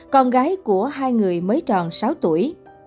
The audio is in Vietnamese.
con gái của hai người mới tròn sáu tuổi